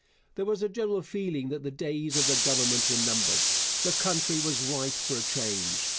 There was a general feeling that the days of the Government were numbered. The country was ripe for a change.